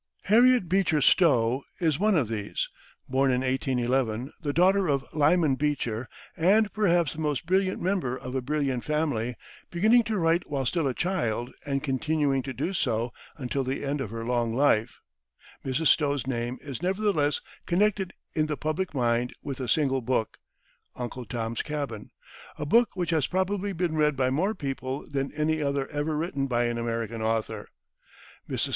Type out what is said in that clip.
Harriet Beecher Stowe is one of these. Born in 1811, the daughter of Lyman Beecher, and perhaps the most brilliant member of a brilliant family, beginning to write while still a child, and continuing to do so until the end of her long life, Mrs. Stowe's name is nevertheless connected in the public mind with a single book, "Uncle Tom's Cabin," a book which has probably been read by more people than any other ever written by an American author. Mrs.